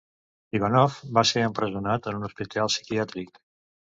Ivanov va ser empresonat en un hospital psiquiàtric.